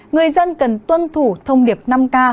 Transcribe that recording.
người dân cần tuân thủ thông điệp năm k